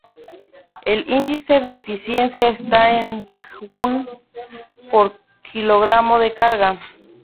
El índice de eficiencia está en kWh por kg de carga.